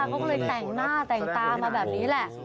เขาก็เลยแต่งหน้าแต่งตามาแบบนี้แหละ